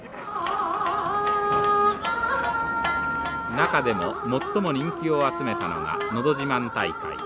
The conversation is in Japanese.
中でも最も人気を集めたのがのど自慢大会。